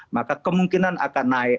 maka kemungkinan akan naik